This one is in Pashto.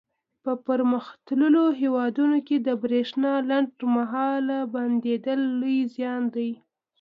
په پرمختللو هېوادونو کې د برېښنا لنډ مهاله بندېدل لوی زیان دی.